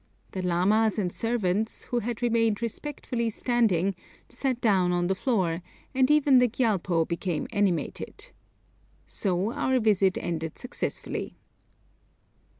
The lamas and servants, who had remained respectfully standing, sat down on the floor, and even the Gyalpo became animated. So our visit ended successfully.